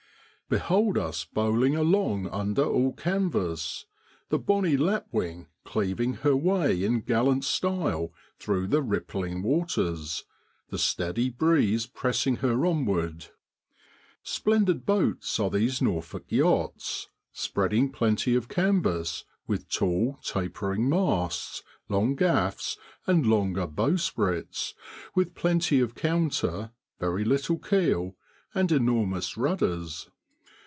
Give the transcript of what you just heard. Behold us bowling along under all canvas, the bonnie Lapwing cleaving her way in gallant style through the rippling waters, the steady breeze pressing her onward. Splendid boats are these Norfolk yachts, spreading plenty of canvas, with tall, tapering masts, long gaffs, and longer bow sprits, with plenty of counter, very little keel, and enormous rudders.